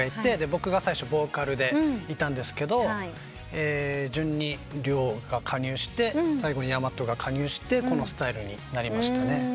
僕が最初ボーカルでいたんですけど順にＲＹＯが加入して最後にＹＡＭＡＴＯが加入してこのスタイルになりましたね。